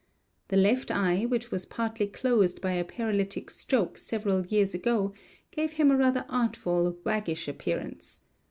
The left eye, which was partly closed by a paralytic stroke several years ago, gave him a rather artful, waggish appearance.